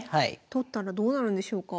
取ったらどうなるんでしょうか？